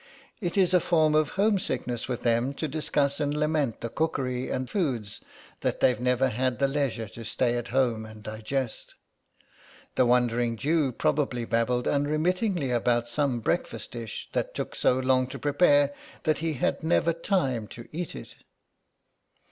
It is a form of home sickness with them to discuss and lament the cookery and foods that they've never had the leisure to stay at home and digest. The Wandering Jew probably babbled unremittingly about some breakfast dish that took so long to prepare that he had never time to eat it."